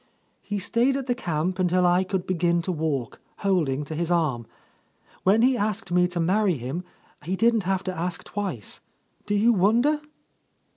He stayed at the camp until I could begin to walk, holding to his arm. When he asked me to marry him, he didn't have to ask twice. Do you wonder?"